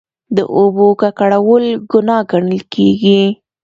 د اوبو ککړول ګناه ګڼل کیږي.